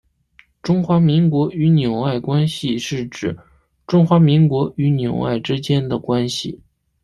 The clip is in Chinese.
中华民国与纽埃关系是指中华民国与纽埃之间的关系。